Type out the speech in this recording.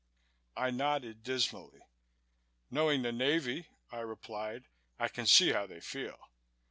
I nodded dismally. "Knowing the Navy," I replied, "I can see how they feel.